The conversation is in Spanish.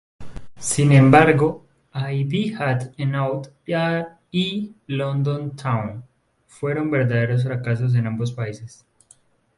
Sin embargo, "I've Had Enough" y "London Town" fueron verdaderos fracasos en ambos países.